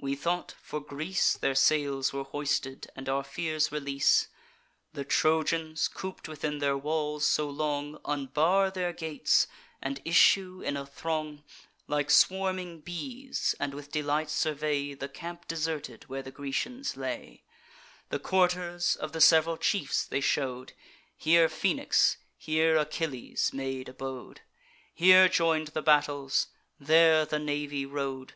We thought, for Greece Their sails were hoisted, and our fears release. The Trojans, coop'd within their walls so long, Unbar their gates, and issue in a throng, Like swarming bees, and with delight survey The camp deserted, where the Grecians lay: The quarters of the sev'ral chiefs they show'd; Here Phoenix, here Achilles, made abode; Here join'd the battles; there the navy rode.